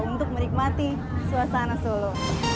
untuk menikmati suasana solo